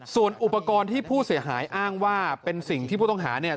ส่วนอุปกรณ์ที่ผู้เสียหายอ้างว่าเป็นสิ่งที่ผู้ต้องหาเนี่ย